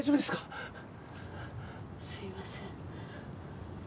すいません。